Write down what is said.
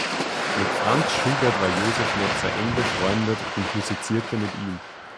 Mit Franz Schubert war Josef Netzer eng befreundet und musizierte mit ihm.